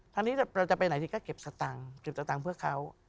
ทางนี้เราจะไปไหนดีก็เก็บสตังค์เก็บสตังค์เพื่อเขา